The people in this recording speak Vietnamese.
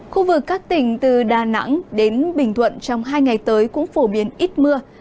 khu vực các tỉnh từ đà nẵng đến bình thuận trong hai ngày tới cũng phổ biến ít mưa